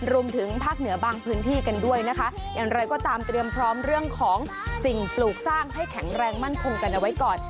รวมถึงภาคเหนือบางพื้นที่กันด้วยนะคะอย่างไรก็ตามเตรียมพร้อมเรื่องของสิ่งปลูกสร้างให้แข็งแรงมั่นคงกันเอาไว้ก่อน